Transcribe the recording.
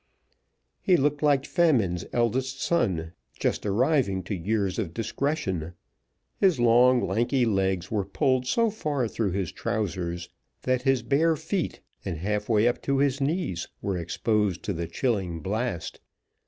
He looked like Famine's eldest son just arriving to years of discretion. His long lanky legs were pulled so far through his trousers, that his bare feet, and half way up to his knees, were exposed to the chilling blast.